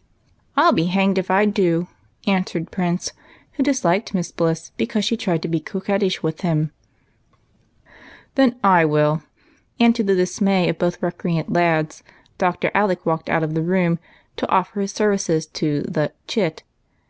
EAR RINGS. lr3 " I '11 be hanged if I do !" answered Prince, who dis liked Miss Bliss because she tried to be coquettish with him. " Then I will," and, to the dismay of both recreant lads, Dr. Alec walked out of the room to offer his ser vices to the " chit."